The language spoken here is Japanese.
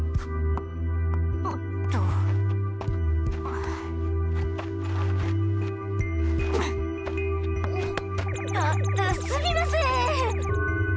おっと。あっすみません！